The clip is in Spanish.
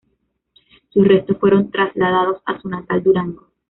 Sus restos fueron trasladados a su natal Durango.